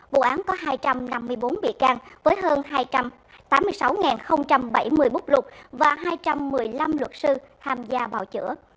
vụ án có hai trăm năm mươi bốn bị can với hơn hai trăm tám mươi sáu bảy mươi bút lục và hai trăm một mươi năm luật sư tham gia bào chữa